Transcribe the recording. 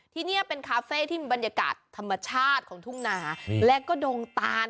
ที่นี่เป็นคาเฟ่ที่มีบรรยากาศธรรมชาติของทุ่งนาและก็ดงตาน